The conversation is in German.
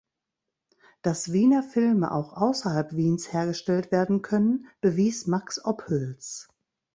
Dass Wiener Filme auch außerhalb Wiens hergestellt werden können, bewies Max Ophüls.